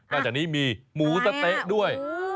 จากนี้มีหมูสะเต๊ะด้วย